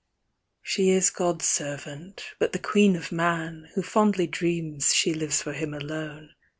She is (lod's servant, iDut the queen of man, ^^'ho fondly dreams she lives for him alone.